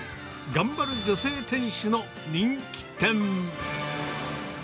頑張る女性店主の人気店。